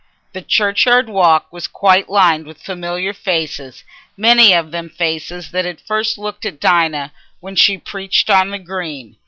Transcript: The churchyard walk was quite lined with familiar faces, many of them faces that had first looked at Dinah when she preached on the Green.